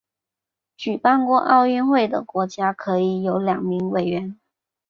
举办过奥运会的国家可以有两名委员。